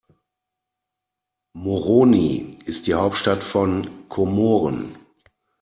Moroni ist die Hauptstadt von Komoren.